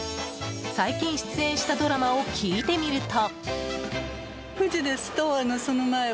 最近出演したドラマを聞いてみると。